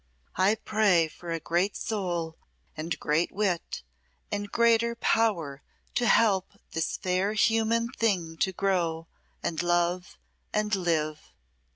I pray for a great soul, and great wit, and greater power to help this fair human thing to grow, and love, and live."